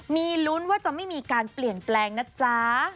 มีลุ้นว่าจะไม่มีการเปลี่ยนแปลงนะจ๊ะ